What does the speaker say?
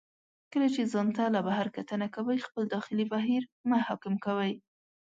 کله چې ځان ته له بهر کتنه کوئ، خپل داخلي بهیر مه حاکم کوئ.